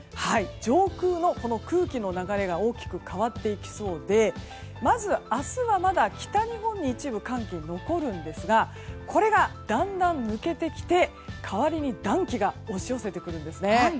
上空の空気の流れが大きく変わっていきそうでまず明日は、まだ北日本に一部寒気が残るんですがこれが、だんだん抜けてきて代わりに暖気が押し寄せてくるんです。